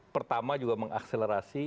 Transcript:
pertama juga mengakselerasi